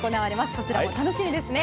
こちらも楽しみですね。